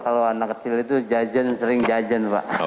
kalau anak kecil itu jajan sering jajan pak